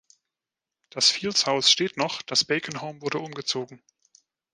Das Fields-Haus steht noch, das Bacon-home wurde umgezogen.